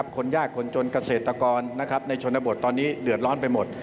คนยากคนจนเกษตรกรในชนบทตอนนี้เดือดร้อนไปหมด